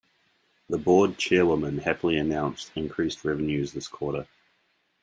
The board chairwoman happily announced increased revenues this quarter.